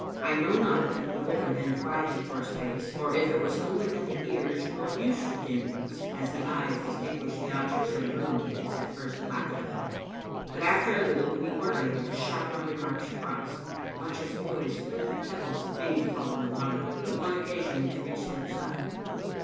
I know not whether the river then quieted for a space, or if it was only that the ears grow used to dins as the eyes distinguish the objects in a room that is at first black to them ; but after a little we were able to shout our remarks across, much as boys fling pebbles, many to fall into the water, but one occasionally to reach the other side.